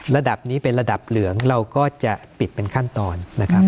ระดับนี้เป็นระดับเหลืองเราก็จะปิดเป็นขั้นตอนนะครับ